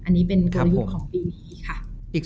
อันนี้เป็นกลยุทธ์ของปีนี้ค่ะ